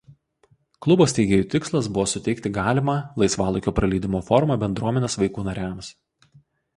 Klubo steigėjų tikslas buvo suteikti galimą laisvalaikio praleidimo formą bendruomenės vaikų nariams.